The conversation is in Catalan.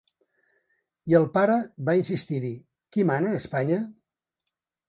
I el pare va insistir-hi: Qui mana a Espanya?